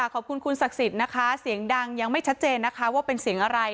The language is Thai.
ขอบคุณคุณศักดิ์สิทธิ์นะคะเสียงดังยังไม่ชัดเจนนะคะว่าเป็นเสียงอะไร